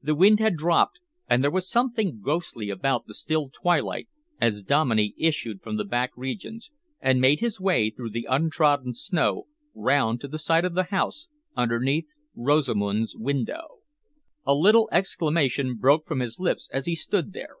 The wind had dropped, and there was something ghostly about the still twilight as Dominey issued from the back regions and made his way through the untrodden snow round to the side of the house underneath Rosamund's window. A little exclamation broke from his lips as he stood there.